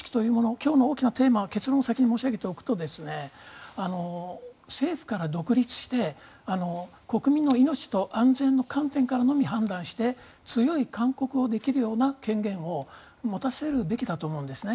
今日の大きなテーマ結論を先に申し上げておくと政府から独立して国民の命と安全の観点からのみ判断して強い勧告をできるような権限を持たせるべきだと思うんですね。